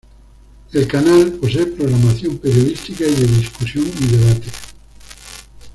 El canal posee programación periodística, y de discusión y debate.